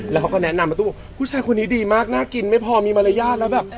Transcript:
แล้วเขาก็แนะนำมาตู้บอกผู้ชายคนนี้ดีมากน่ากินไม่พอมีมารยาทแล้วแบบ